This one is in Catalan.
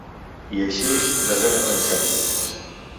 I així, desenes de missatges.